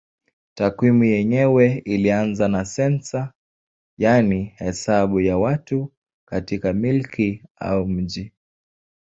Takwimu yenyewe ilianza na sensa yaani hesabu ya watu katika milki au mji.